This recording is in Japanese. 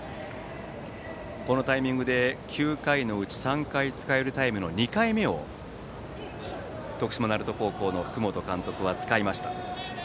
このタイミングで９回のうち３回使えるタイムの２回目を徳島・鳴門高校の福本監督は使いました。